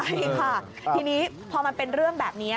ใช่ค่ะทีนี้พอมันเป็นเรื่องแบบนี้